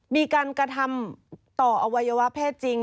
มีการกระทำต่ออวัยวะเพศจริง